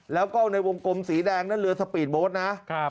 แล้วก็ในวงกลมสีแดงนั่นเรือสปีดโบ๊ทนะ